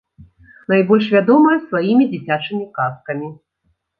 Найбольш вядомая сваімі дзіцячымі казкамі.